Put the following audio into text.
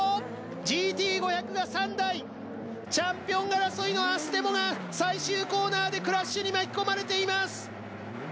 ＧＴ５００が３台チャンピオン争いの最終コーナーでクラッシュに巻き込まれています。